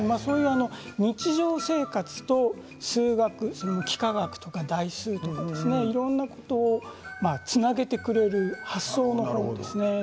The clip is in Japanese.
日常生活と数学、幾何学とか代数とかいろんなものをつなげていく発想の方法ですね。